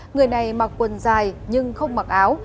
người này mặc quần dài nhưng không mặc áo